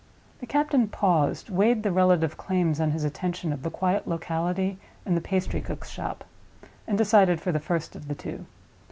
The captain paused, weighed the relative claims on his attention of the quiet locality and the pastry cook's shop; and decided for the first of the two.